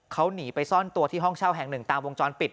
เขาหนีไปซ่อนตัวที่ห้องเช่าแห่งหนึ่งตามวงจรปิด